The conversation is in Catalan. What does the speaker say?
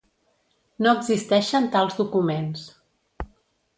No existeixen tals documents.